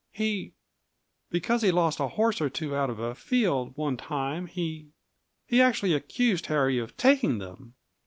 He because he lost a horse or two out of a field, one time, he he actually accused Harry of taking them!